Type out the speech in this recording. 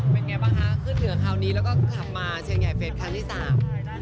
เป็นไงบ้างคะขึ้นเหนือคราวนี้แล้วก็กลับมาเชียงใหญ่เฟสครั้งที่สาม